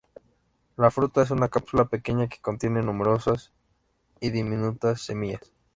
La fruta es una cápsula pequeña que contiene numerosas y diminutas semillas.